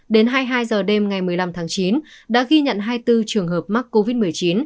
đến hai mươi hai h đêm ngày một mươi năm tháng chín đã ghi nhận hai mươi bốn trường hợp mắc covid một mươi chín